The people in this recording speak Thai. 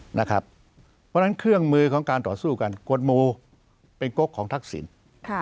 เพราะฉะนั้นเครื่องมือของการต่อสู้กันกฎหมู่เป็นก๊กของทักษิณ